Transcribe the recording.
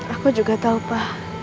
aku juga tau pa